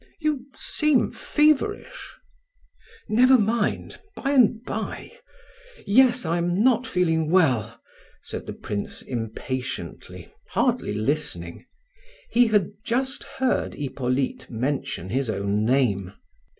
You seem feverish." "Never mind; by and by; yes, I am not feeling well," said the prince impatiently, hardly listening. He had just heard Hippolyte mention his own name.